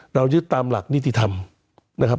ยึดตามหลักนิติธรรมนะครับ